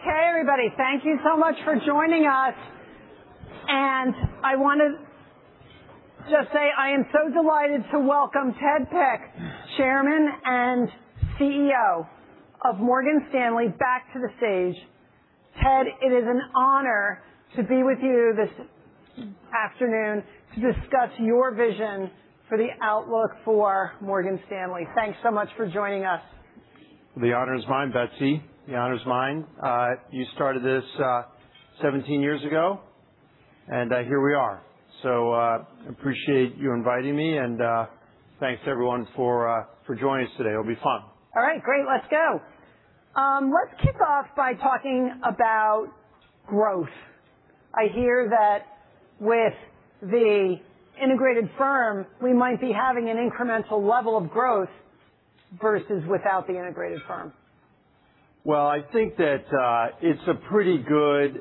Okay, everybody. Thank you so much for joining us. I want to just say, I am so delighted to welcome Ted Pick, Chairman and CEO of Morgan Stanley back to the stage. Ted, it is an honor to be with you this afternoon to discuss your vision for the outlook for Morgan Stanley. Thanks so much for joining us. The honor is mine, Betsy. You started this 17 years ago. Here we are. I appreciate you inviting me, and thanks to everyone for joining us today. It'll be fun. All right, great. Let's go. Let's kick off by talking about growth. I hear that with the integrated firm, we might be having an incremental level of growth versus without the integrated firm. Well, I think that it's a pretty good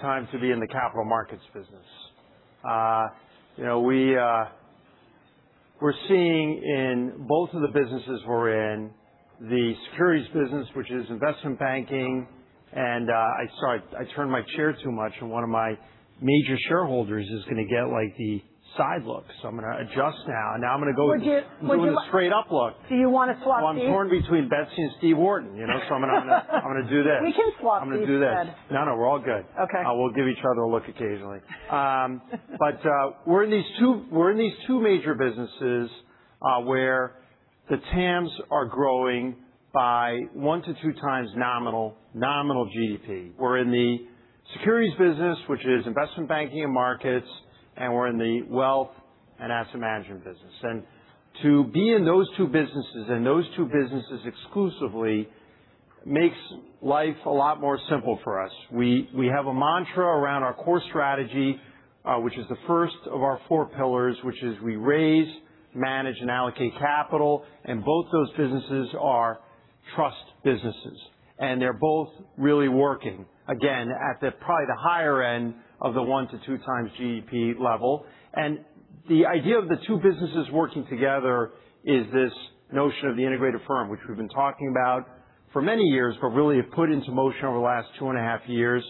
time to be in the capital markets business. We're seeing in both of the businesses we're in, the securities business, which is investment banking. Sorry, I turned my chair too much and one of my major shareholders is going to get the side look. I'm going to adjust now. Would you- I'm just doing the straight up look. Do you want to swap seats? I'm torn between Betsy and Steve Wharton. I'm going to do this. We can swap seats, Ted. I'm going to do this. No, we're all good. Okay. We'll give each other a look occasionally. We're in these two major businesses, where the TAMs are growing by one to two times nominal GDP. We're in the securities business, which is investment banking and markets, and we're in the wealth and asset management business. To be in those two businesses, and those two businesses exclusively, makes life a lot more simple for us. We have a mantra around our core strategy, which is the first of our four pillars, which is we raise, manage, and allocate capital, and both those businesses are trust businesses. They're both really working, again, at probably the higher end of the one to two times GDP level. The idea of the two businesses working together is this notion of the integrated firm, which we've been talking about for many years, but really have put into motion over the last two and a half years.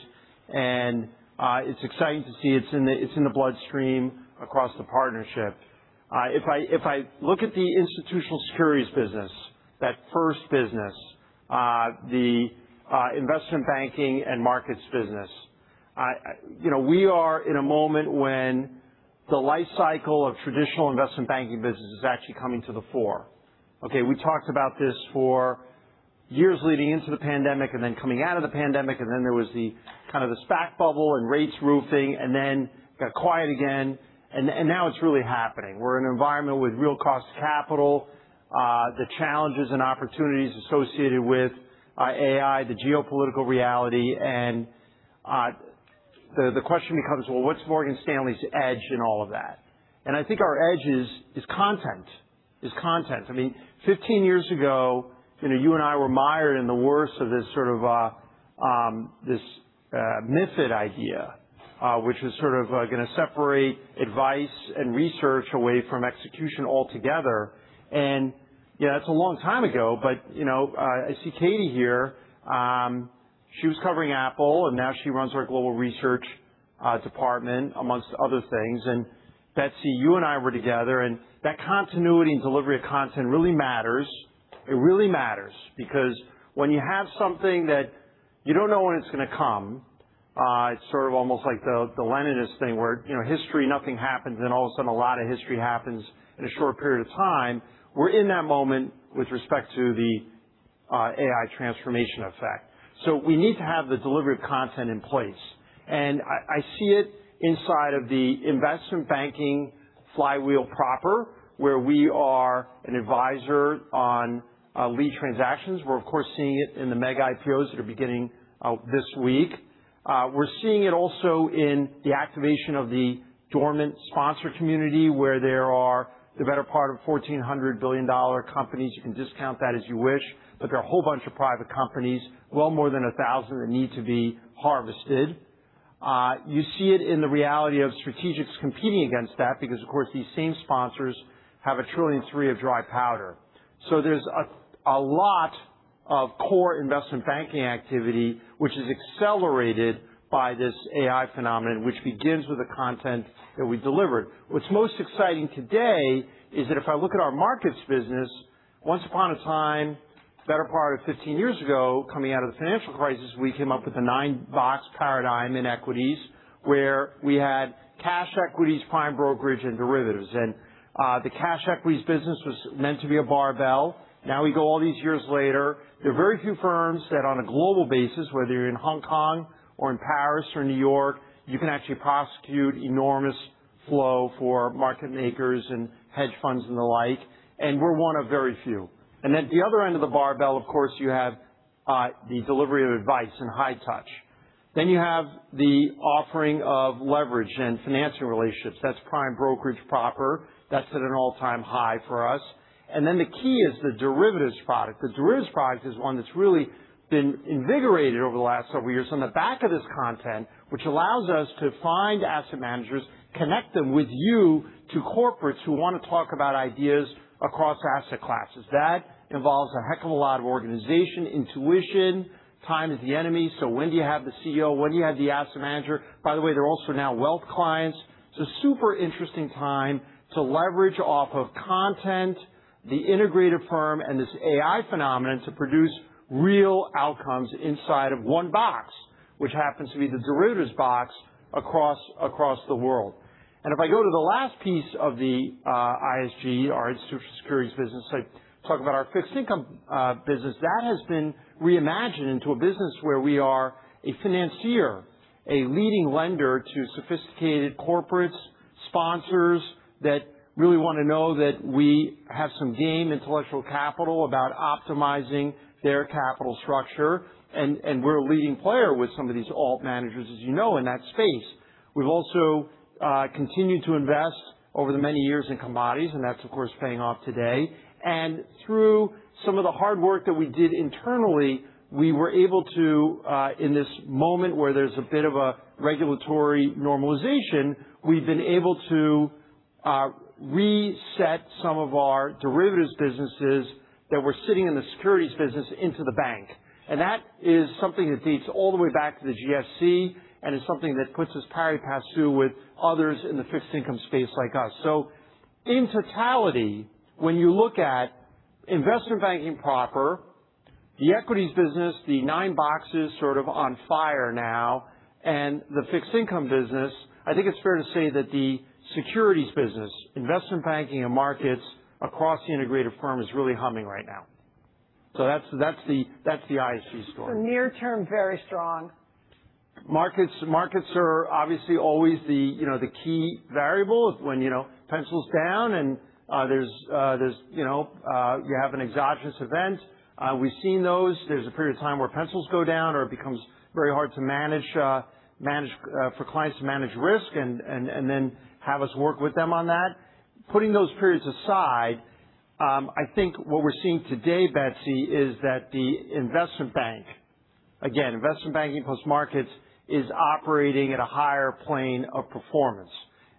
It's exciting to see it's in the bloodstream across the partnership. If I look at the Institutional Securities business, that first business, the investment banking and markets business. We are in a moment when the life cycle of traditional investment banking business is actually coming to the fore. Okay, we talked about this for years leading into the pandemic and then coming out of the pandemic, and then there was the SPAC bubble and rates rising and then it got quiet again, and now it's really happening. We're in an environment with real cost of capital, the challenges and opportunities associated with AI, the geopolitical reality, the question becomes, well, what's Morgan Stanley's edge in all of that? I think our edge is content. 15 years ago, you and I were mired in the worst of this MiFID idea, which was going to separate advice and research away from execution altogether. That's a long time ago, I see Katy here. She was covering Apple, now she runs our global research department, amongst other things. Betsy, you and I were together, that continuity and delivery of content really matters. It really matters because when you have something that you don't know when it's going to come, it's sort of almost like the Leninist thing where history, nothing happens, all of a sudden, a lot of history happens in a short period of time. We're in that moment with respect to the AI transformation effect. We need to have the delivery of content in place. I see it inside of the investment banking flywheel proper, where we are an advisor on lead transactions. We're, of course, seeing it in the mega IPOs that are beginning this week. We're seeing it also in the activation of the dormant sponsor community, where there are the better part of $1,400 billion companies. You can discount that as you wish, there are a whole bunch of private companies, well more than 1,000, that need to be harvested. You see it in the reality of strategics competing against that because, of course, these same sponsors have $1.3 trillion of dry powder. There's a lot of core investment banking activity, which is accelerated by this AI phenomenon, which begins with the content that we delivered. What's most exciting today is that if I look at our markets business, once upon a time, better part of 15 years ago, coming out of the financial crisis, we came up with a nine-box paradigm in equities, where we had cash equities, prime brokerage, and derivatives. The cash equities business was meant to be a barbell. Now we go all these years later, there are very few firms that on a global basis, whether you're in Hong Kong or in Paris or New York, you can actually prosecute enormous flow for market makers and hedge funds and the like, we're one of very few. At the other end of the barbell, of course, you have the delivery of advice and high touch. You have the offering of leverage and financial relationships. That's prime brokerage proper. That's at an all-time high for us. The key is the derivatives product. The derivatives product is one that's really been invigorated over the last several years on the back of this content, which allows us to find asset managers, connect them with you to corporates who want to talk about ideas across asset classes. That involves a heck of a lot of organization, intuition. Time is the enemy. When do you have the CEO? When do you have the asset manager? By the way, they're also now wealth clients. It's a super interesting time to leverage off of content, the integrated firm, and this AI phenomenon to produce real outcomes inside of one box, which happens to be the derivatives box across the world. If I go to the last piece of the ISG, our institutional securities business, I talk about our fixed income business. That has been reimagined into a business where we are a financier, a leading lender to sophisticated corporates, sponsors that really want to know that we have some game intellectual capital about optimizing their capital structure, and we're a leading player with some of these alt managers, as you know, in that space. We've also continued to invest over the many years in commodities. That's, of course, paying off today. Through some of the hard work that we did internally, we were able to, in this moment where there's a bit of a regulatory normalization, we've been able to reset some of our derivatives businesses that were sitting in the securities business into the bank. That is something that dates all the way back to the GFC, and it's something that puts us pari passu with others in the fixed income space like us. In totality, when you look at investment banking proper, the equities business, the nine boxes sort of on fire now, and the fixed income business, I think it's fair to say that the securities business, investment banking, and markets across the integrated firm is really humming right now. That's the ISG story. Near term, very strong. Markets are obviously always the key variable of when pencil's down and you have an exogenous event. We've seen those. There's a period of time where pencils go down or it becomes very hard for clients to manage risk and then have us work with them on that. Putting those periods aside, I think what we're seeing today, Betsy, is that the investment bank, again, investment banking plus markets, is operating at a higher plane of performance.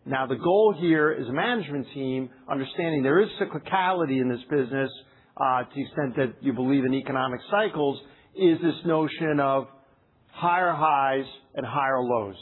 The goal here as a management team, understanding there is cyclicality in this business, to the extent that you believe in economic cycles, is this notion of higher highs and higher lows.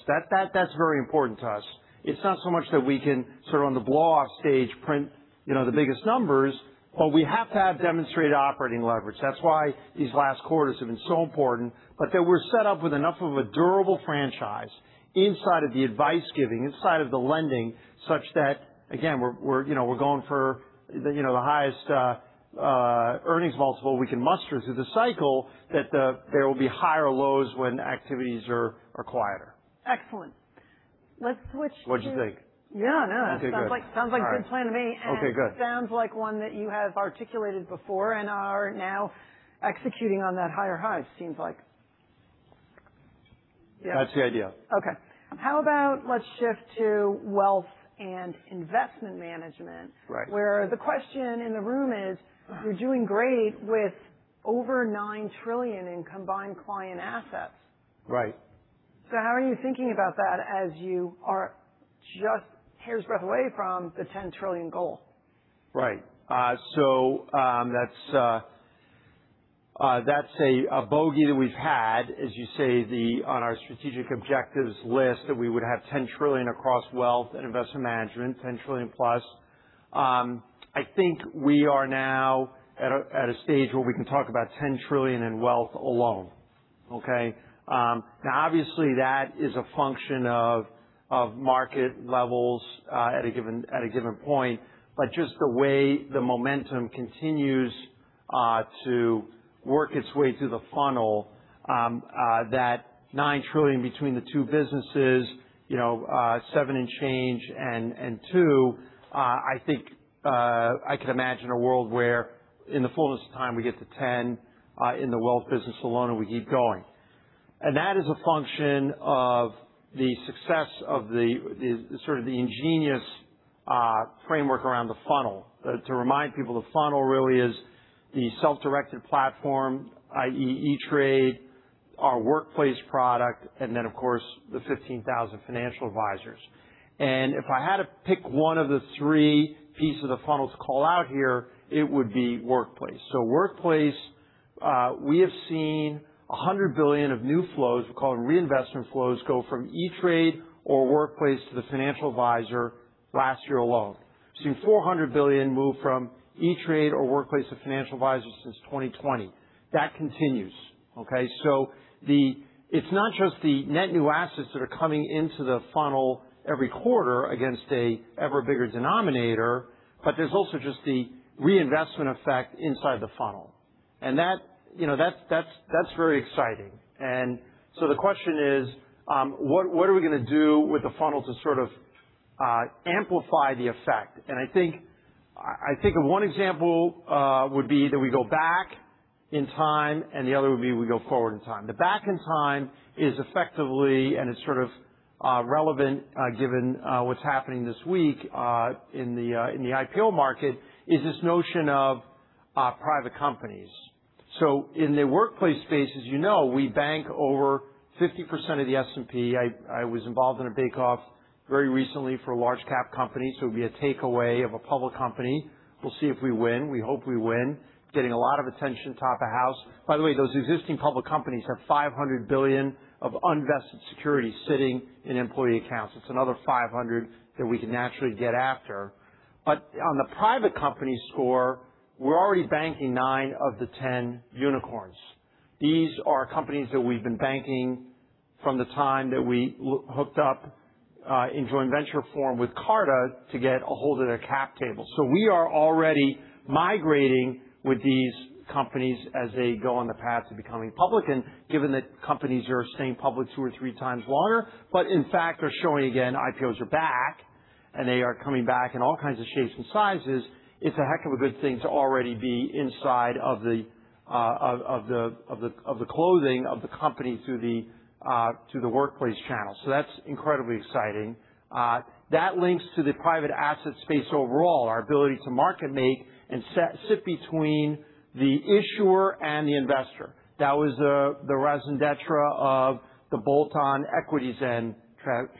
That's very important to us. It's not so much that we can sort of on the blow-off stage print the biggest numbers, but we have to have demonstrated operating leverage. That's why these last quarters have been so important, that we're set up with enough of a durable franchise inside of the advice giving, inside of the lending, such that, again, we're going for the highest earnings multiple we can muster through the cycle, that there will be higher lows when activities are quieter. Excellent. Let's switch. What'd you think? Yeah. No. Okay, good. Sounds like a good plan to me. Okay, good. Sounds like one that you have articulated before and are now executing on that higher high, it seems like. Yeah. That's the idea. How about let's shift to wealth and investment management. Right. Where the question in the room is, you're doing great with over $9 trillion in combined client assets. Right. How are you thinking about that as you are just hair's breadth away from the $10 trillion goal? Right. That's a bogey that we've had, as you say, on our strategic objectives list, that we would have $10 trillion across wealth and investment management, $10 trillion plus. I think we are now at a stage where we can talk about $10 trillion in wealth alone. Okay? Just the way the momentum continues to work its way through the funnel, that $9 trillion between the two businesses, seven and change and two, I think I could imagine a world where in the fullness of time we get to 10 in the wealth business alone and we keep going. That is a function of the success of sort of the ingenious framework around the funnel. To remind people, the funnel really is the self-directed platform, i.e. E*TRADE, our Workplace product, and of course, the 15,000 financial advisors. If I had to pick one of the three pieces of the funnel to call out here, it would be Workplace. Workplace, we have seen $100 billion of new flows, we call them reinvestment flows, go from E*TRADE or Workplace to the financial advisor last year alone. We've seen $400 billion move from E*TRADE or Workplace to financial advisors since 2020. That continues. Okay? It's not just the net new assets that are coming into the funnel every quarter against an ever bigger denominator, but there's also just the reinvestment effect inside the funnel. That's very exciting. The question is, what are we going to do with the funnel to sort of amplify the effect? I think one example would be that we go back in time, and the other would be we go forward in time. The back in time is effectively, and it's sort of relevant given what's happening this week in the IPO market, is this notion of private companies. In the Workplace space, as you know, we bank over 50% of the S&P. I was involved in a bake-off very recently for a large cap company, so it'll be a takeaway of a public company. We'll see if we win. We hope we win. Getting a lot of attention top of house. By the way, those existing public companies have $500 billion of unvested securities sitting in employee accounts. It's another $500 that we can naturally get after. On the private company score, we're already banking nine of the 10 unicorns. These are companies that we've been banking from the time that we hooked up in joint venture form with Carta to get a hold of their cap table. We are already migrating with these companies as they go on the path to becoming public. Given that companies are staying public two or three times longer, but in fact, they're showing, again, IPOs are back, and they are coming back in all kinds of shapes and sizes. It's a heck of a good thing to already be inside of the clothing of the company through the Workplace channel. That's incredibly exciting. That links to the private asset space overall, our ability to market make and sit between the issuer and the investor. That was the raison d'être of the bolt-on EquityZen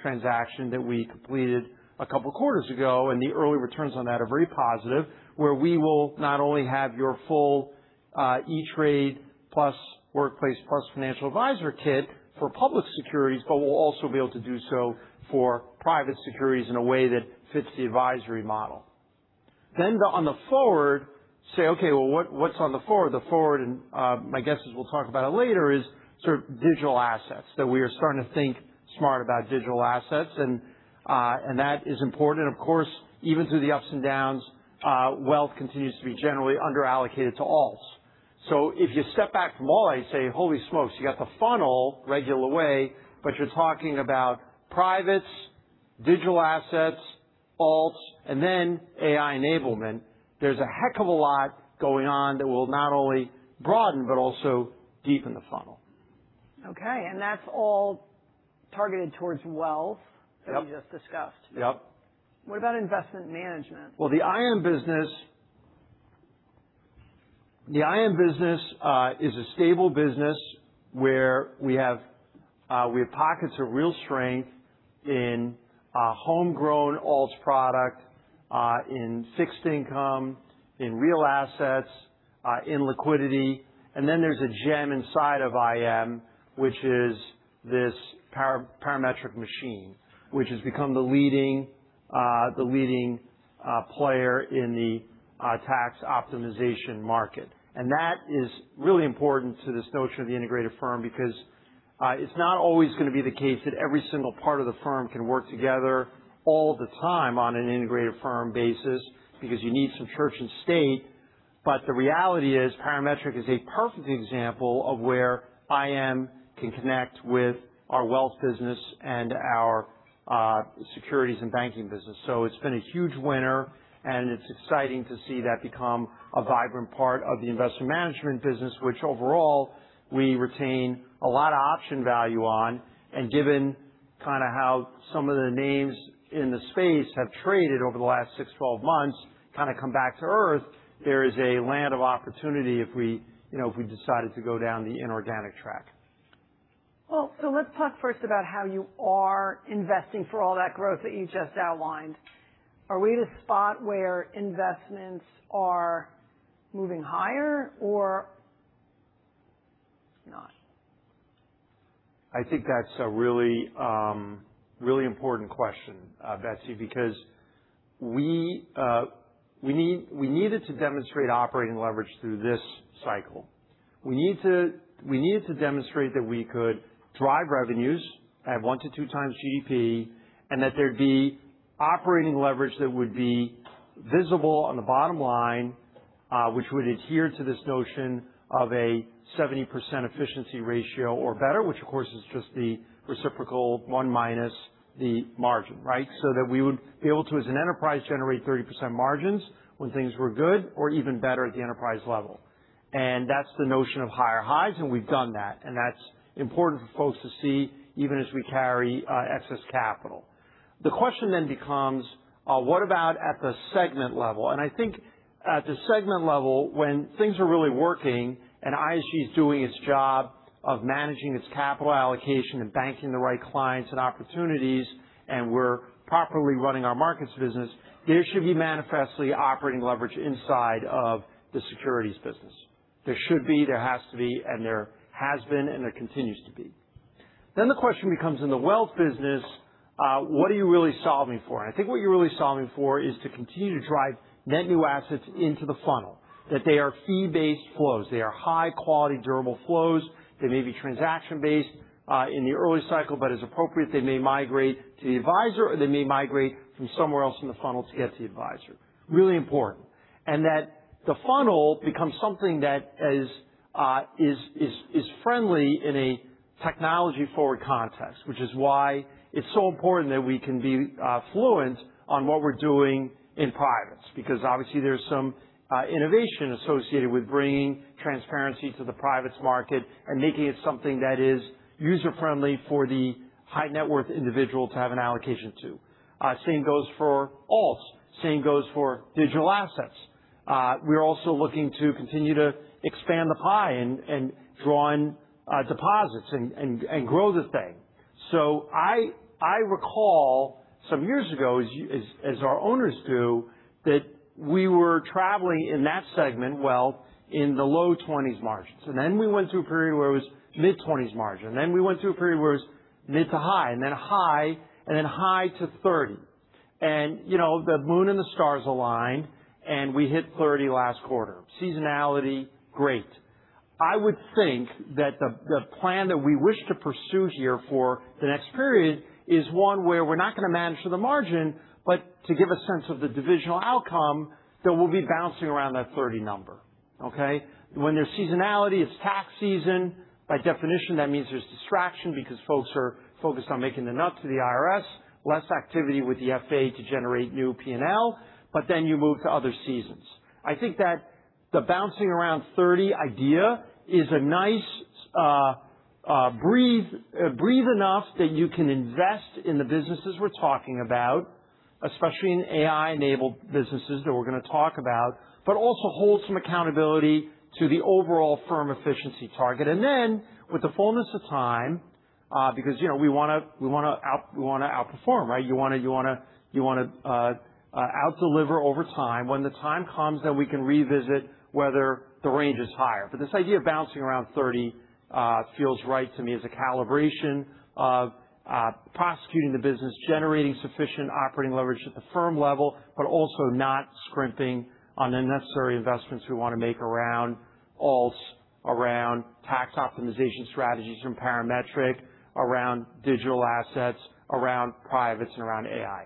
transaction that we completed a couple of quarters ago, and the early returns on that are very positive. Where we will not only have your full E*TRADE plus Workplace plus financial advisor kit for public securities, but we'll also be able to do so for private securities in a way that fits the advisory model. On the forward, say, okay, well, what's on the forward? The forward, and my guess is we'll talk about it later, is sort of digital assets. That we are starting to think smart about digital assets, and that is important. Of course, even through the ups and downs, wealth continues to be generally under-allocated to alts. If you step back from all, I say, holy smokes, you got the funnel regular way, but you're talking about privates, digital assets, alts, and then AI enablement. There's a heck of a lot going on that will not only broaden but also deepen the funnel. Okay. That's all targeted towards wealth- Yep. that we just discussed. Yep. What about investment management? The IM business is a stable business where we have pockets of real strength in homegrown alts product, in fixed income, in real assets, in liquidity. Then there's a gem inside of IM, which is this Parametric machine, which has become the leading player in the tax optimization market. That is really important to this notion of the integrated firm, because it's not always going to be the case that every single part of the firm can work together all the time on an integrated firm basis because you need some church and state. The reality is Parametric is a perfect example of where IM can connect with our wealth business and our securities and banking business. It's been a huge winner, and it's exciting to see that become a vibrant part of the investment management business, which overall we retain a lot of option value on. Given kind of how some of the names in the space have traded over the last six, 12 months kind of come back to earth, there is a land of opportunity if we decided to go down the inorganic track. Let's talk first about how you are investing for all that growth that you just outlined. Are we at a spot where investments are moving higher or not? I think that's a really important question, Betsy, because we needed to demonstrate operating leverage through this cycle. We needed to demonstrate that we could drive revenues at one to two times GDP, and that there'd be operating leverage that would be visible on the bottom line which would adhere to this notion of a 70% efficiency ratio or better, which of course is just the reciprocal one minus the margin, right? That we would be able to, as an enterprise, generate 30% margins when things were good or even better at the enterprise level. That's the notion of higher highs, and we've done that, and that's important for folks to see even as we carry excess capital. The question then becomes, what about at the segment level? I think at the segment level, when things are really working and ISG is doing its job of managing its capital allocation and banking the right clients and opportunities, and we're properly running our markets business, there should be manifestly operating leverage inside of the securities business. There should be, there has to be, and there has been, and there continues to be. The question becomes in the wealth business, what are you really solving for? I think what you're really solving for is to continue to drive net new assets into the funnel. That they are fee-based flows. They are high-quality, durable flows. They may be transaction-based in the early cycle, but as appropriate, they may migrate to the advisor, or they may migrate from somewhere else in the funnel to get to the advisor. Really important. That the funnel becomes something that is friendly in a technology-forward context, which is why it's so important that we can be fluent on what we're doing in privates. Because obviously, there's some innovation associated with bringing transparency to the privates market and making it something that is user-friendly for the high-net-worth individual to have an allocation to. Same goes for alts. Same goes for digital assets. We're also looking to continue to expand the pie and draw in deposits and grow the thing. I recall some years ago, as our owners do, that we were traveling in that segment, wealth, in the low 20s margins. Then we went through a period where it was mid-20s margin, then we went through a period where it was mid to high, then high, then high to 30%. The moon and the stars aligned, and we hit 30% last quarter. Seasonality, great. I would think that the plan that we wish to pursue here for the next period is one where we're not going to manage to the margin, but to give a sense of the divisional outcome, that we'll be bouncing around that 30% number. Okay? When there's seasonality, it's tax season. By definition, that means there's distraction because folks are focused on making the nut to the IRS, less activity with the FA to generate new P&L. You move to other seasons. I think that the bouncing around 30% idea is a nice breath enough that you can invest in the businesses we're talking about, especially in AI-enabled businesses that we're going to talk about, but also hold some accountability to the overall firm efficiency target. With the fullness of time, because we want to outperform, right? You want to out-deliver over time. When the time comes, we can revisit whether the range is higher. This idea of bouncing around 30% feels right to me as a calibration of prosecuting the business, generating sufficient operating leverage at the firm level, also not scrimping on unnecessary investments we want to make around alts, around tax optimization strategies from Parametric, around digital assets, around privates, and around AI.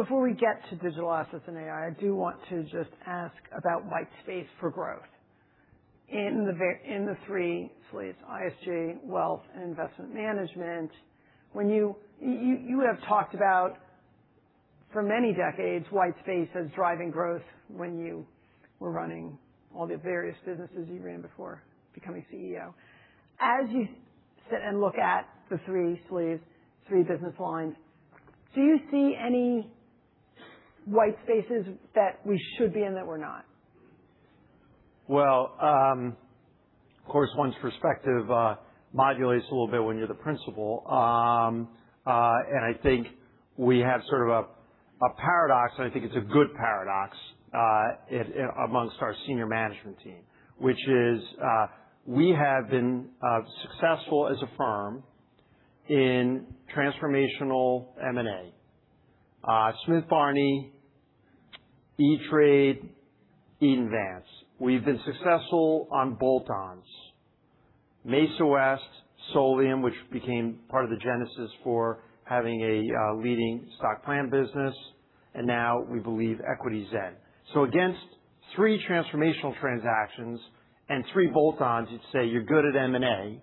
Before we get to digital assets and AI, I do want to just ask about white space for growth in the three sleeves, ISG, wealth, and investment management. You have talked about for many decades white space as driving growth when you were running all the various businesses you ran before becoming CEO. As you sit and look at the three sleeves, three business lines, do you see any white spaces that we should be in that we're not? Of course, one's perspective modulates a little bit when you're the principal. I think we have sort of a paradox, and I think it's a good paradox amongst our senior management team, which is we have been successful as a firm in transformational M&A. Smith Barney, E*TRADE, Eaton Vance. We've been successful on bolt-ons. Mesa West, Solium, which became part of the genesis for having a leading stock plan business, and now we believe EquityZen. Against three transformational transactions and three bolt-ons, you'd say you're good at M&A,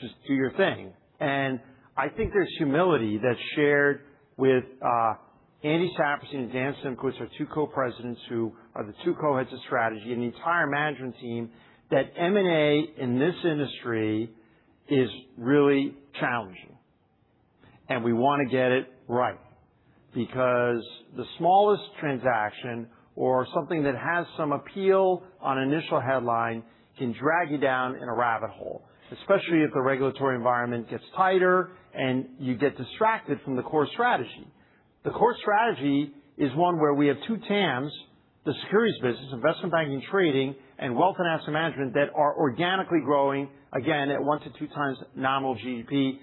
just do your thing. I think there's humility that's shared with Andy Saperstein and Dan Simkowitz, our two Co-Presidents who are the two Co-Heads of Strategy, and the entire management team, that M&A in this industry is really challenging, and we want to get it right. The smallest transaction or something that has some appeal on initial headline can drag you down in a rabbit hole, especially if the regulatory environment gets tighter and you get distracted from the core strategy. The core strategy is one where we have two TAMs, the securities business, investment banking, trading, and wealth and asset management that are organically growing, again, at one to two times nominal GDP,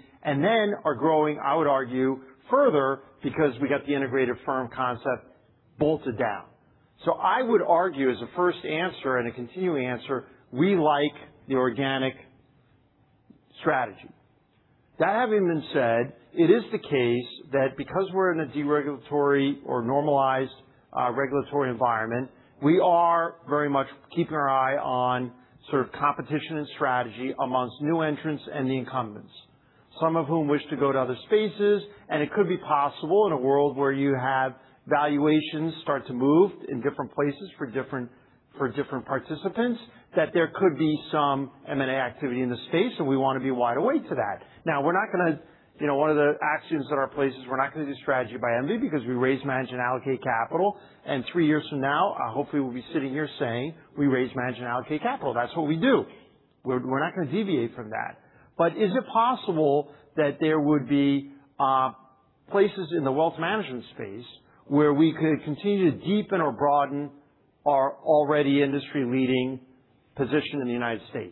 are growing, I would argue, further because we got the integrated firm concept bolted down. I would argue as a first answer and a continuing answer, we like the organic strategy. That having been said, it is the case that because we're in a deregulatory or normalized regulatory environment, we are very much keeping our eye on sort of competition and strategy amongst new entrants and the incumbents, some of whom wish to go to other spaces. It could be possible in a world where you have valuations start to move in different places for different participants, that there could be some M&A activity in the space, and we want to be wide awake to that. One of the axioms at our place is we're not going to do strategy by envy because we raise, manage, and allocate capital. Three years from now, hopefully we'll be sitting here saying we raise, manage, and allocate capital. That's what we do. We're not going to deviate from that. Is it possible that there would be places in the wealth management space where we could continue to deepen or broaden our already industry-leading position in the U.S.?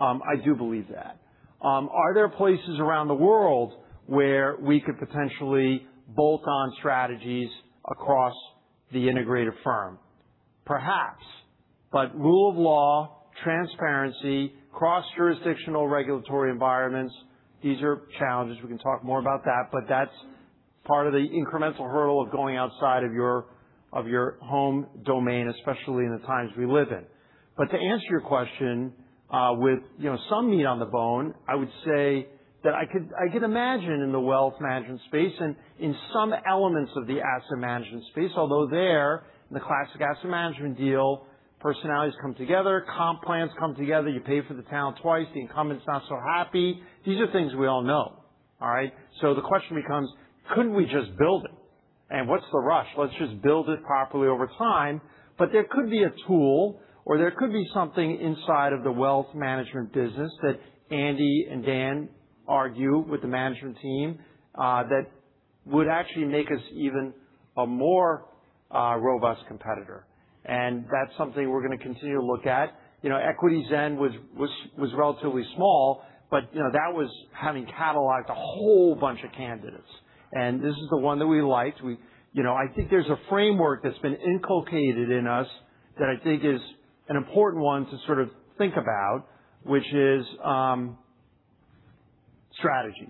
I do believe that. Are there places around the world where we could potentially bolt on strategies across the integrated firm? Perhaps. Rule of law, transparency, cross-jurisdictional regulatory environments, these are challenges. We can talk more about that, but that's part of the incremental hurdle of going outside of your home domain, especially in the times we live in. To answer your question with some meat on the bone, I would say that I could imagine in the wealth management space and in some elements of the asset management space, although there, in the classic asset management deal, personalities come together, comp plans come together, you pay for the talent twice. The incumbent's not so happy. These are things we all know. All right. The question becomes, couldn't we just build it? What's the rush? Let's just build it properly over time. There could be a tool, or there could be something inside of the wealth management business that Andy and Dan argue with the management team that would actually make us even a more robust competitor. That's something we're going to continue to look at. EquityZen was relatively small, but that was having cataloged a whole bunch of candidates. This is the one that we liked. I think there's a framework that's been inculcated in us that I think is an important one to sort of think about, which is strategy.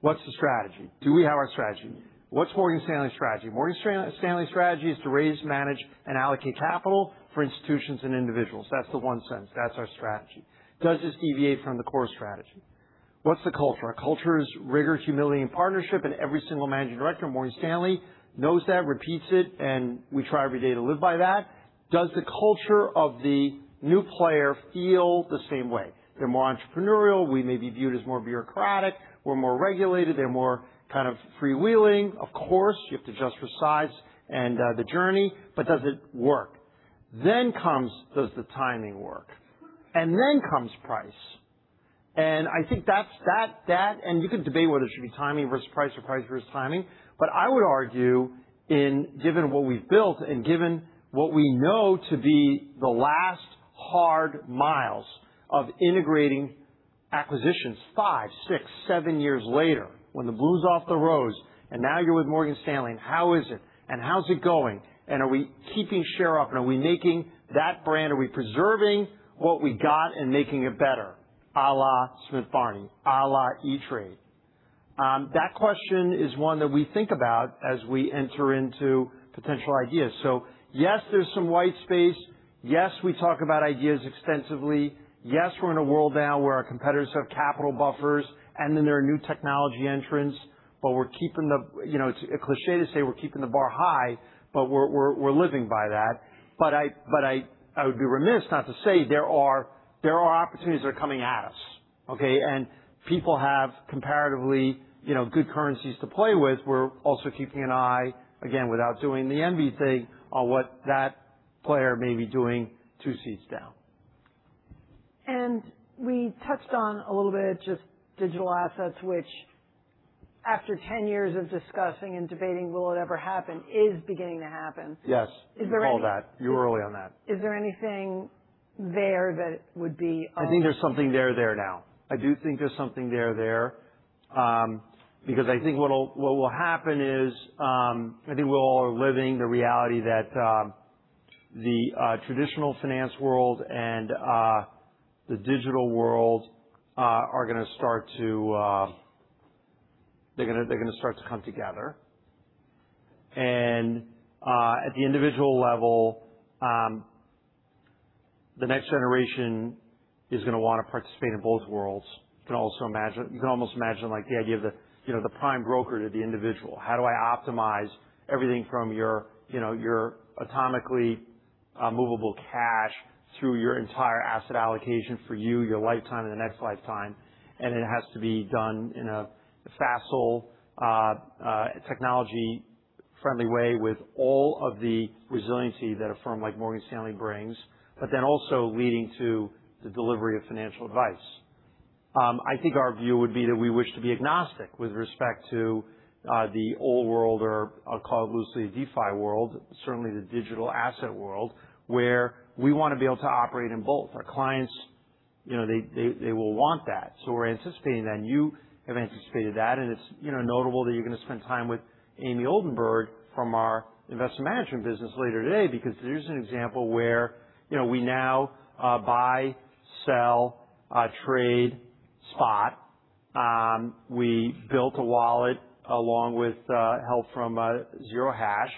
What's the strategy? Do we have our strategy? What's Morgan Stanley's strategy? Morgan Stanley's strategy is to raise, manage, and allocate capital for institutions and individuals. That's the one sentence. That's our strategy. Does this deviate from the core strategy? What's the culture? Our culture is rigor, humility, and partnership, and every single managing director of Morgan Stanley knows that, repeats it, and we try every day to live by that. Does the culture of the new player feel the same way? They're more entrepreneurial. We may be viewed as more bureaucratic. We're more regulated. They're more kind of freewheeling. Of course, you have to adjust for size and the journey, but does it work? Comes, does the timing work? Then comes price. I think that, and you can debate whether it should be timing versus price or price versus timing. I would argue given what we've built and given what we know to be the last hard miles of integrating acquisitions five, six, seven years later, when the blue's off the rose, and now you're with Morgan Stanley, and how is it? And how's it going? Are we keeping share up? Are we making that brand? Are we preserving what we got and making it better, à la Smith Barney, à la E*TRADE? That question is one that we think about as we enter into potential ideas. Yes, there's some white space. Yes, we talk about ideas extensively. Yes, we're in a world now where our competitors have capital buffers, and then there are new technology entrants, but it's a cliché to say we're keeping the bar high, but we're living by that. I would be remiss not to say there are opportunities that are coming at us. Okay? People have comparatively good currencies to play with. We're also keeping an eye, again, without doing the envy thing on what that player may be doing two seats down. We touched on a little bit just digital assets, which after 10 years of discussing and debating will it ever happen, is beginning to happen. Yes. Is there any- You called that. You were early on that. Is there anything there that would be of- I think there's something there there now. I do think there's something there there because I think what will happen is, I think we all are living the reality that the traditional finance world and the digital world are going to start to come together. At the individual level the next generation is going to want to participate in both worlds. You can almost imagine the idea of the prime broker to the individual. How do I optimize everything from your atomically movable cash through your entire asset allocation for you, your lifetime, and the next lifetime? It has to be done in a facile technology-friendly way with all of the resiliency that a firm like Morgan Stanley brings, then also leading to the delivery of financial advice. I think our view would be that we wish to be agnostic with respect to the old world, or I'll call it loosely, DeFi world, certainly the digital asset world, where we want to be able to operate in both. Our clients, they will want that. We're anticipating that. You have anticipated that, and it's notable that you're going to spend time with Amy Oldenburg from our investment management business later today because there's an example where we now buy, sell, trade spot. We built a wallet along with help from Zerohash.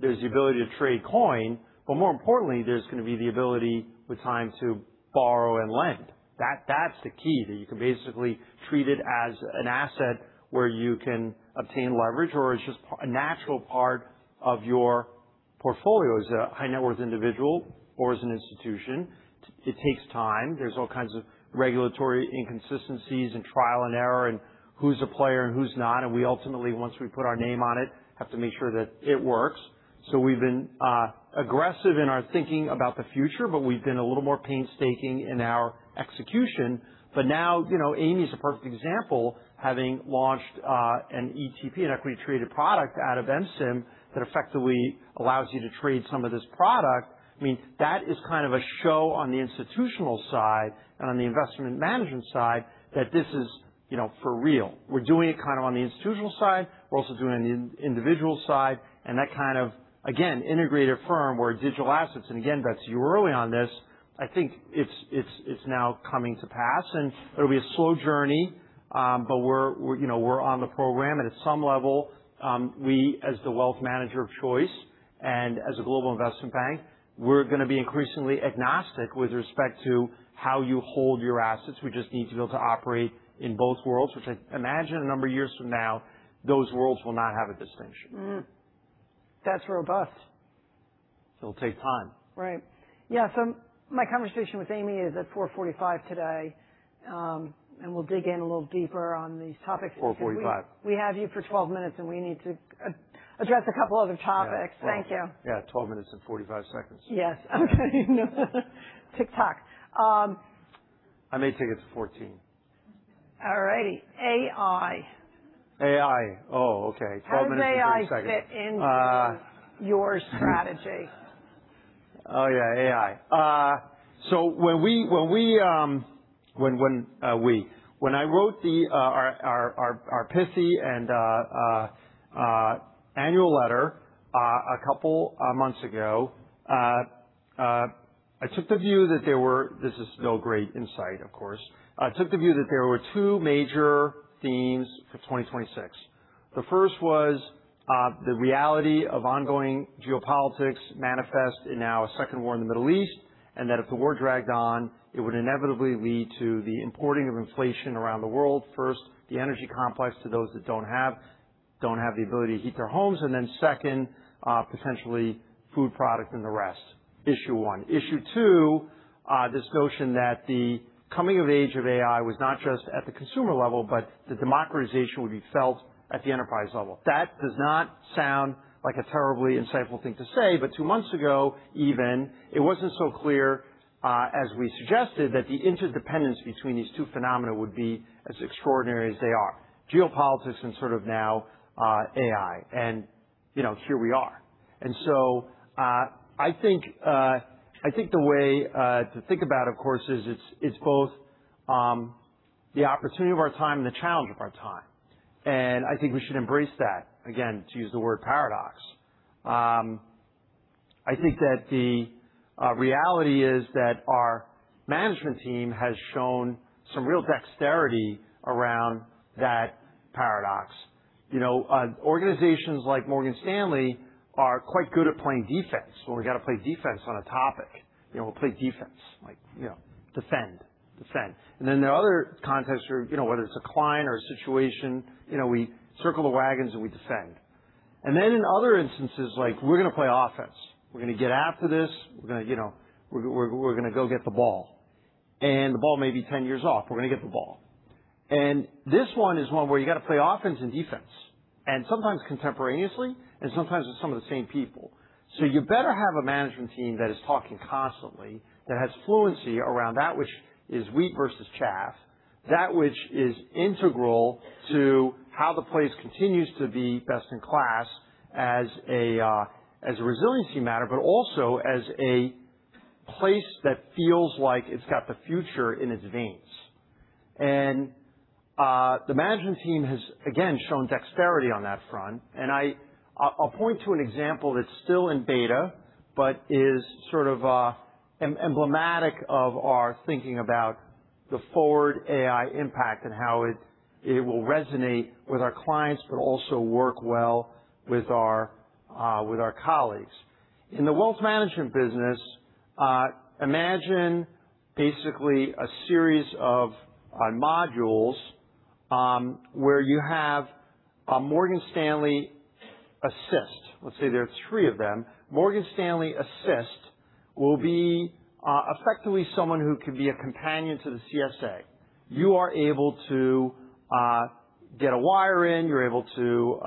There's the ability to trade coin, but more importantly, there's going to be the ability with time to borrow and lend. That's the key, that you can basically treat it as an asset where you can obtain leverage or it's just a natural part of your portfolio as a high net worth individual or as an institution. It takes time. There's all kinds of regulatory inconsistencies and trial and error and who's a player and who's not, and we ultimately, once we put our name on it, have to make sure that it works. We've been aggressive in our thinking about the future, but we've been a little more painstaking in our execution. Now, Amy's a perfect example, having launched an ETP, an equity traded product, out of MSIM that effectively allows you to trade some of this product. That is kind of a show on the institutional side and on the investment management side that this is for real. We're doing it kind of on the institutional side. That kind of, again, integrated firm where digital assets, and again, Betsy, you're early on this. I think it's now coming to pass. It'll be a slow journey, but we're on the program. At some level, we, as the wealth manager of choice and as a global investment bank, we're going to be increasingly agnostic with respect to how you hold your assets. We just need to be able to operate in both worlds, which I imagine a number of years from now, those worlds will not have a distinction. That's robust. It'll take time. Right. Yeah. My conversation with Amy is at 4:45 today. We'll dig in a little deeper on these topics. 4:45. We have you for 12 minutes, and we need to address a couple other topics. Thank you. Yeah, 12 minutes and 45 seconds. Yes. Okay. Tick-tock. I may take it to 14. All right. AI. AI. Oh, okay. 12 minutes and 40 seconds. How does AI fit into your strategy? Oh, yeah, AI. When I wrote our pithy and annual letter a couple months ago, This is no great insight, of course. I took the view that there were two major themes for 2026. The first was the reality of ongoing geopolitics manifest in now a second war in the Middle East, and that if the war dragged on, it would inevitably lead to the importing of inflation around the world. First, the energy complex to those that don't have the ability to heat their homes, and then second, potentially food product and the rest. Issue one. Issue two, this notion that the coming of age of AI was not just at the consumer level, but the democratization would be felt at the enterprise level. That does not sound like a terribly insightful thing to say, two months ago even, it wasn't so clear, as we suggested, that the interdependence between these two phenomena would be as extraordinary as they are. Geopolitics and sort of now AI. Here we are. I think the way to think about, of course, is it's both the opportunity of our time and the challenge of our time. I think we should embrace that, again, to use the word paradox. I think that the reality is that our management team has shown some real dexterity around that paradox. Organizations like Morgan Stanley are quite good at playing defense. When we got to play defense on a topic, we'll play defense. Defend. There are other contexts where whether it's a client or a situation, we circle the wagons and we defend. In other instances, we're going to play offense. We're going to get after this. We're going to go get the ball. The ball may be 10 years off. We're going to get the ball. This one is one where you got to play offense and defense, and sometimes contemporaneously, and sometimes it's some of the same people. You better have a management team that is talking constantly, that has fluency around that which is wheat versus chaff, that which is integral to how the place continues to be best in class as a resiliency matter, but also as a place that feels like it's got the future in its veins. The management team has, again, shown dexterity on that front. I'll point to an example that's still in beta but is sort of emblematic of our thinking about the forward AI impact and how it will resonate with our clients, but also work well with our colleagues. In the wealth management business, imagine basically a series of modules, where you have a Morgan Stanley Assist. Let's say there are three of them. Morgan Stanley Assist will be effectively someone who can be a companion to the CSA. You are able to get a wire in, you're able to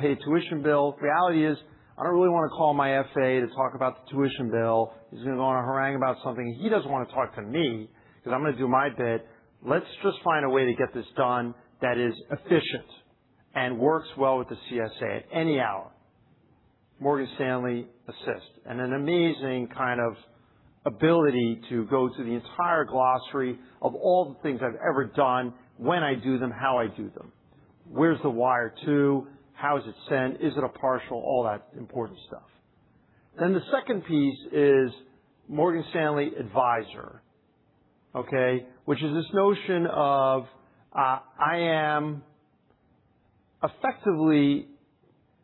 pay a tuition bill. The reality is, I don't really want to call my FA to talk about the tuition bill. He's going to go on a harangue about something. He doesn't want to talk to me because I'm going to do my bit. Let's just find a way to get this done that is efficient and works well with the CSA at any hour. Morgan Stanley Assist. An amazing kind of ability to go through the entire glossary of all the things I've ever done, when I do them, how I do them. Where's the wire to? How is it sent? Is it a partial? All that important stuff. The second piece is Morgan Stanley Advisor, okay? Which is this notion of, I am effectively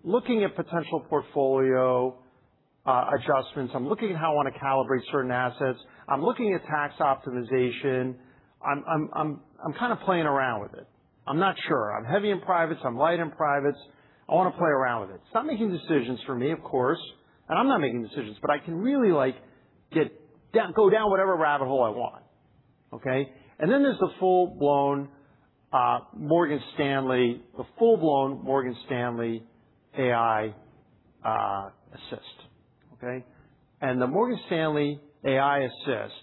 looking at potential portfolio adjustments. I'm looking at how I want to calibrate certain assets. I'm looking at tax optimization. I'm kind of playing around with it. I'm not sure. I'm heavy in privates, I'm light in privates. I want to play around with it. It's not making decisions for me, of course, and I'm not making decisions, but I can really go down whatever rabbit hole I want. Okay. Then there's the full-blown Morgan Stanley AI Assist. Okay. The Morgan Stanley AI Assist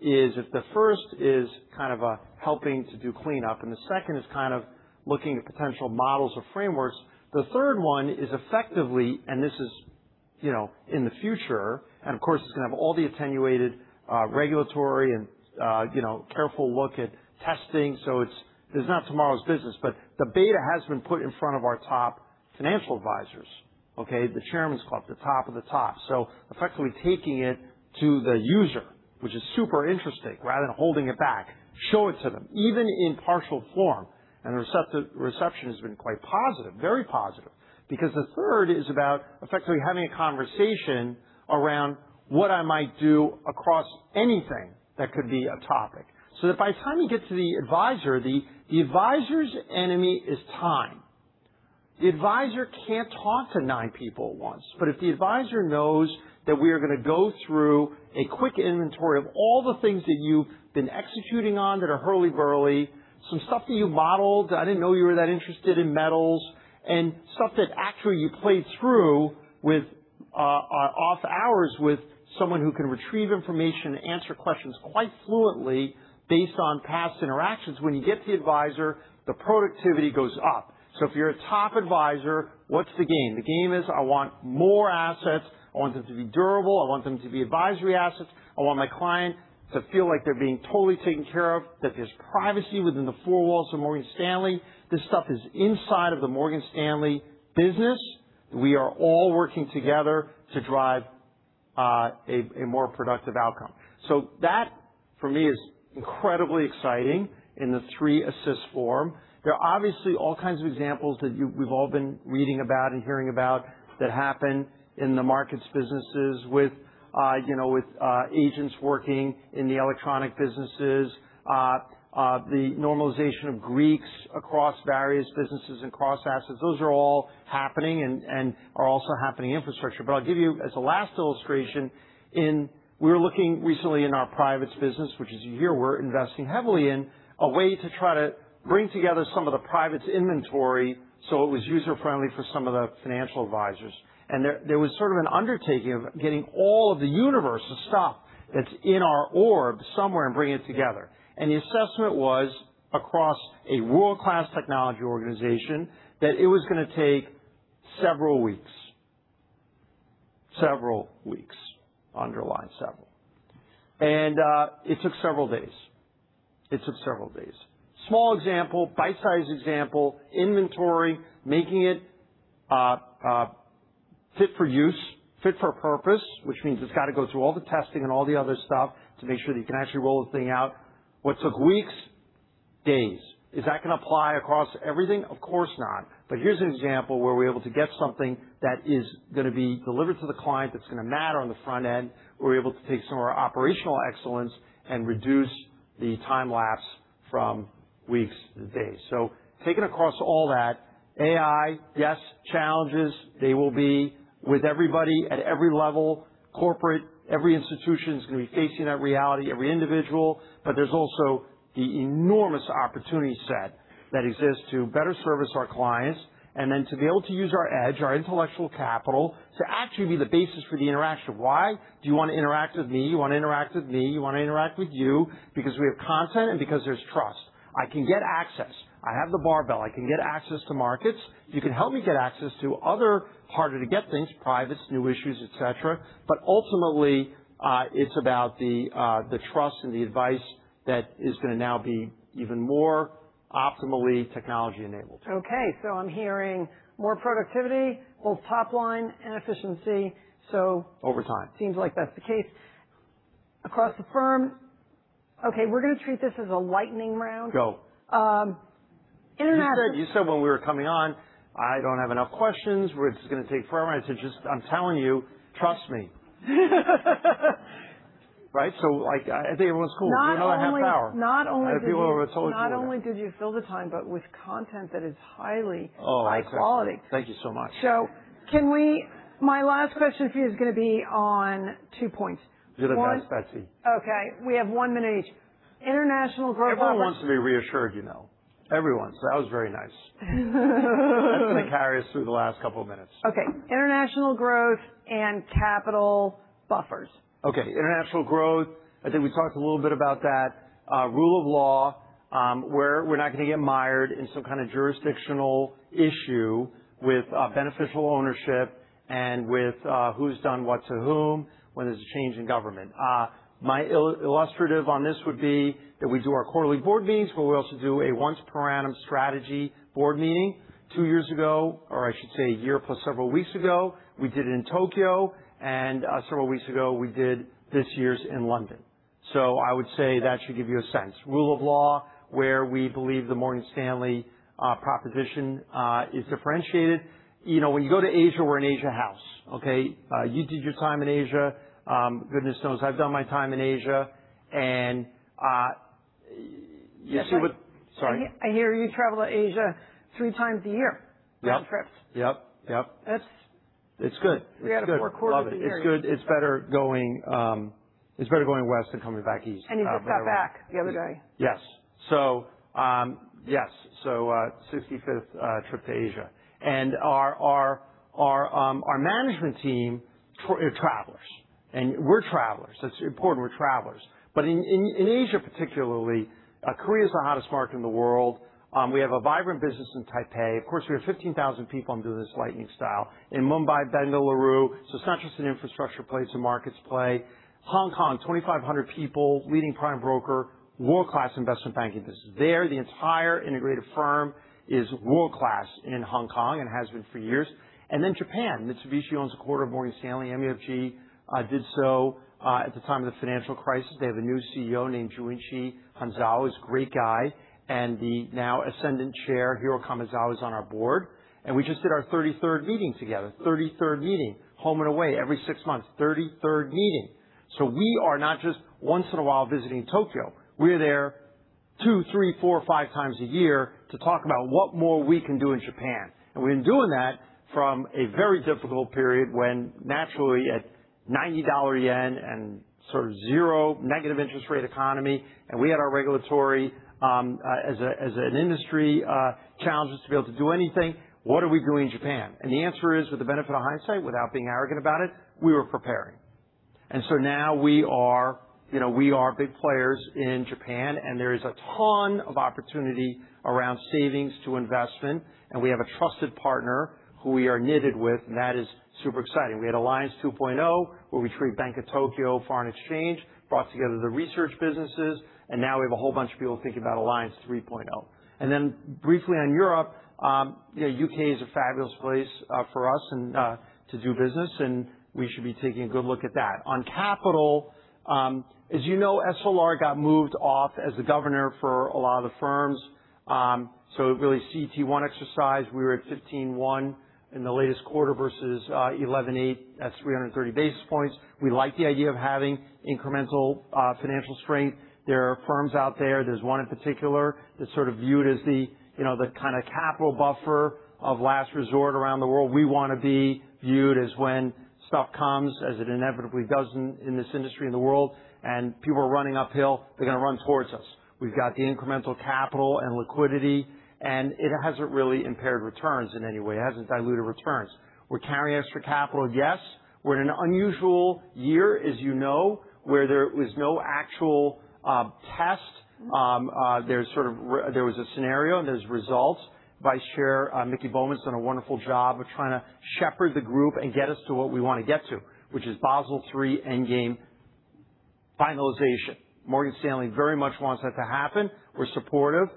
is, if the first is kind of helping to do cleanup, and the second is kind of looking at potential models or frameworks, the third one is effectively, and this is in the future, and of course, it's going to have all the attenuated regulatory and careful look at testing. It's not tomorrow's business, but the beta has been put in front of our top financial advisors. Okay. The Chairman's Club, the top of the top. Effectively taking it to the user, which is super interesting. Rather than holding it back, show it to them, even in partial form. The reception has been quite positive. Very positive. The third is about effectively having a conversation around what I might do across anything that could be a topic. That by the time you get to the advisor, the advisor's enemy is time. The advisor can't talk to nine people at once. If the advisor knows that we are going to go through a quick inventory of all the things that you've been executing on that are hurly burly, some stuff that you modeled, I didn't know you were that interested in metals, and stuff that actually you played through off hours with someone who can retrieve information and answer questions quite fluently based on past interactions. When you get to the advisor, the productivity goes up. If you're a top advisor, what's the game? The game is, I want more assets. I want them to be durable. I want them to be advisory assets. I want my client to feel like they're being totally taken care of, that there's privacy within the four walls of Morgan Stanley. This stuff is inside of the Morgan Stanley business. We are all working together to drive a more productive outcome. That, for me, is incredibly exciting in the three assist form. There are obviously all kinds of examples that we've all been reading about and hearing about that happen in the markets businesses with agents working in the electronic businesses, the normalization of Greeks across various businesses and cross assets. Those are all happening and are also happening in infrastructure. I'll give you as the last illustration, we were looking recently in our privates business, which is a year we're investing heavily in, a way to try to bring together some of the privates inventory, so it was user-friendly for some of the financial advisors. There was sort of an undertaking of getting all of the universe of stuff that's in our orb somewhere and bringing it together. The assessment was, across a world-class technology organization, that it was going to take several weeks. Several weeks. Underline several. It took several days. Small example, bite-size example, inventory, making it fit for use, fit for purpose, which means it's got to go through all the testing and all the other stuff to make sure that you can actually roll the thing out. What took weeks, days. Is that going to apply across everything? Of course not. Here's an example where we're able to get something that is going to be delivered to the client, that's going to matter on the front end. We're able to take some of our operational excellence and reduce the time lapse from weeks to days. Taken across all that, AI, yes, challenges, they will be with everybody at every level. Corporate, every institution is going to be facing that reality, every individual. There's also the enormous opportunity set that exists to better service our clients and then to be able to use our edge, our intellectual capital, to actually be the basis for the interaction. Why? Do you want to interact with me? You want to interact with me? You want to interact with you? Because we have content and because there's trust. I can get access. I have the barbell. I can get access to markets. You can help me get access to other harder-to-get things, privates, new issues, et cetera. Ultimately, it's about the trust and the advice that is going to now be even more optimally technology-enabled. Okay, I'm hearing more productivity, both top line and efficiency. Over time. Seems like that's the case. Across the firm. Okay, we're going to treat this as a lightning round. Go. You said when we were coming on, "I don't have enough questions. This is going to take forever." I said, "I'm telling you, trust me." Right? I think it went cool. Give me another half hour. Not only- I have people who have told you to- Not only did you fill the time, but with content that is highly- Oh- high quality. Thank you so much. My last question for you is going to be on two points. You're the best, Betsy. Okay. We have one minute each. International growth. Everyone wants to be reassured, you know. Everyone. That was very nice. That's going to carry us through the last couple of minutes. Okay. International growth and capital buffers. Okay. International growth, I think we talked a little bit about that. Rule of law, where we're not going to get mired in some kind of jurisdictional issue with beneficial ownership and with who's done what to whom when there's a change in government. My illustrative on this would be that we do our quarterly board meetings, but we also do a once per annum strategy board meeting. Two years ago, or I should say a year plus several weeks ago, we did it in Tokyo, and several weeks ago, we did this year's in London. I would say that should give you a sense. Rule of law, where we believe the Morgan Stanley proposition is differentiated. When you go to Asia, we're an Asia house. Okay? You did your time in Asia. Goodness knows I've done my time in Asia, and you see what- Yes, I- Sorry. I hear you travel to Asia three times a year. Yep. On trips. Yep. That's- It's good. three out of four quarters of the year. Love it. It's good. It's better going west than coming back east. You just got back the other day. Yes. Our management team travels. We're travelers. In Asia particularly, Korea is the hottest market in the world. We have a vibrant business in Taipei. Of course, we have 15,000 people under this lightning style. In Mumbai, Bengaluru. It's not just an infrastructure play, it's a markets play. Hong Kong, 2,500 people, leading prime broker, world-class investment banking business there. The entire integrated firm is world-class in Hong Kong and has been for years. Then Japan. Mitsubishi owns a quarter of Morgan Stanley. MUFG did so at the time of the financial crisis. They have a new CEO named Junichi Hanzawa, he's a great guy. The now ascendant chair, Hiro Kamezawa, is on our board. We just did our 33rd meeting together. 33rd meeting, home and away, every six months. 33rd meeting. We are not just once in a while visiting Tokyo. We're there two, three, four, five times a year to talk about what more we can do in Japan. We've been doing that from a very difficult period when naturally at 90 yen and sort of zero-negative interest rate economy, we had our regulatory, as an industry, challenges to be able to do anything. What are we doing in Japan? The answer is, with the benefit of hindsight, without being arrogant about it, we were preparing. Now we are big players in Japan, there is a ton of opportunity around savings to investment, we have a trusted partner who we are knitted with, that is super exciting. We had Alliance 2.0, where we treated Bank of Tokyo Foreign Exchange, brought together the research businesses. Now we have a whole bunch of people thinking about Alliance 3.0. Briefly on Europe, U.K. is a fabulous place for us to do business, we should be taking a good look at that. On capital, as you know, SLR got moved off as the governor for a lot of the firms. Really, CET1 exercise, we were at 15.1 in the latest quarter versus 11.8. That's 330 basis points. We like the idea of having incremental financial strength. There are firms out there's one in particular that's sort of viewed as the kind of capital buffer of last resort around the world. We want to be viewed as when stuff comes, as it inevitably does in this industry in the world, people are running uphill, they're going to run towards us. We've got the incremental capital and liquidity, it hasn't really impaired returns in any way. It hasn't diluted returns. We're carrying extra capital, yes. We're in an unusual year, as you know, where there was no actual test. There was a scenario, there's results. Vice Chair Miki Bowman's done a wonderful job of trying to shepherd the group and get us to what we want to get to, which is Basel III endgame finalization. Morgan Stanley very much wants that to happen. We're supportive.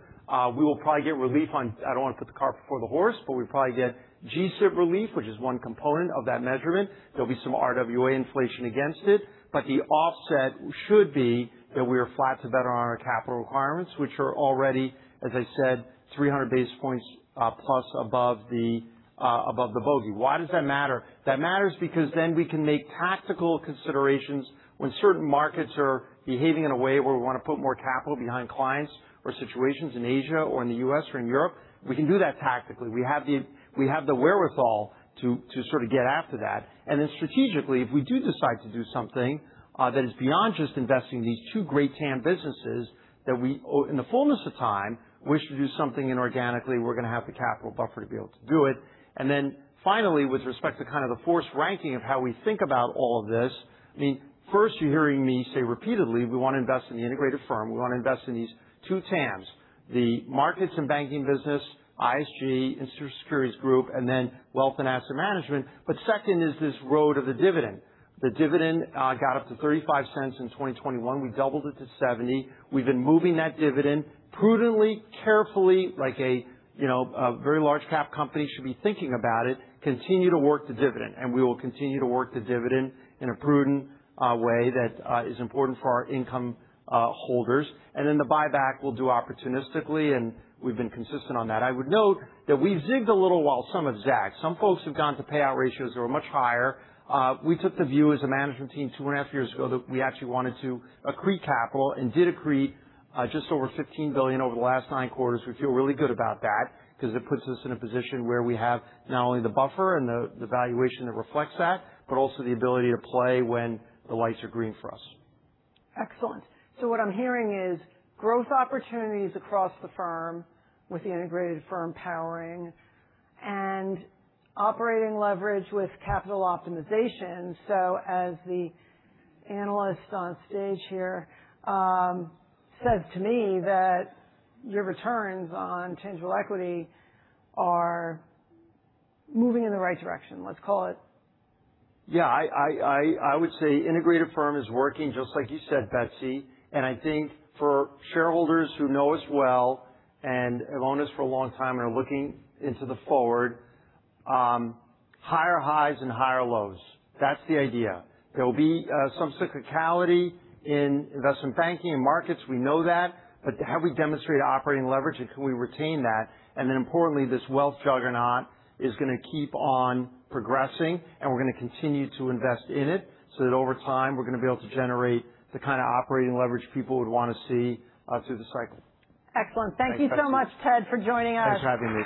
We will probably get relief on, I don't want to put the cart before the horse, we'll probably get G-SIB relief, which is one component of that measurement. There'll be some RWA inflation against it. The offset should be that we are flat to better on our capital requirements, which are already, as I said, 300 basis points plus above the bogey. Why does that matter? That matters because then we can make tactical considerations when certain markets are behaving in a way where we want to put more capital behind clients or situations in Asia or in the U.S. or in Europe. We can do that tactically. We have the wherewithal to sort of get after that. Strategically, if we do decide to do something that is beyond just investing in these two great TAM businesses, that in the fullness of time, we wish to do something inorganically, we're going to have the capital buffer to be able to do it. Finally, with respect to kind of the forced ranking of how we think about all of this, first you're hearing me say repeatedly, we want to invest in the integrated firm. We want to invest in these two TAMs, the markets and banking business, ISG, Institutional Securities Group, and then wealth and asset management. Second is this road of the dividend. The dividend got up to $0.35 in 2021. We doubled it to $0.70. We've been moving that dividend prudently, carefully, like a very large cap company should be thinking about it, continue to work the dividend. We will continue to work the dividend in a prudent way that is important for our income holders. The buyback we'll do opportunistically, and we've been consistent on that. I would note that we zigged a little while some have zagged. Some folks have gone to payout ratios that were much higher. We took the view as a management team two and a half years ago that we actually wanted to accrete capital and did accrete just over $15 billion over the last nine quarters. We feel really good about that because it puts us in a position where we have not only the buffer and the valuation that reflects that, but also the ability to play when the lights are green for us. Excellent. What I'm hearing is growth opportunities across the firm with the integrated firm powering and operating leverage with capital optimization. As the analyst on stage here said to me that your returns on tangible equity are moving in the right direction, let's call it. I would say integrated firm is working, just like you said, Betsy. I think for shareholders who know us well and have owned us for a long time and are looking into the forward, higher highs and higher lows. That's the idea. There will be some cyclicality in investment banking and markets. We know that. Have we demonstrated operating leverage, and can we retain that? Importantly, this wealth juggernaut is going to keep on progressing, and we're going to continue to invest in it so that over time, we're going to be able to generate the kind of operating leverage people would want to see through the cycle. Excellent. Thank you so much, Ted, for joining us. Thanks for having me.